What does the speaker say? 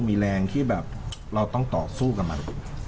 มีแรงที่แบบเราต้องต่อสู้กับมัน